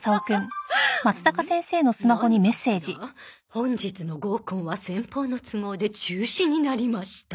「本日の合コンは先方の都合で中止になりました」